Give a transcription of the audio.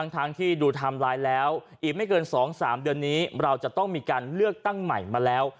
ทั้งที่ดูไทม์ไลน์แล้วอีกไม่เกิน๒๓เดือนนี้เราจะต้องมีการเลือกตั้งใหม่มาแล้ว